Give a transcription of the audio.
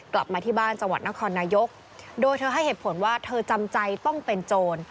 กลับมาที่บ้านจังหวัดนครนายกโดยเธอให้เหตุผลว่าเธอจำใจต้องเป็นโจร